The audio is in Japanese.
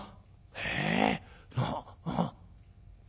「へえ。